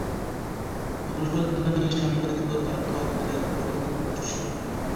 অনুসন্ধানী সাংবাদিকতার তথ্যের প্রাথমিক উৎস।